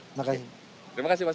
terima kasih mas owi